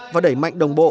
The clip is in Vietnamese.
và đẩy mạnh đồng bộ